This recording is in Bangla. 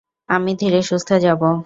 আমি ধীরে-সুস্থে যাবো।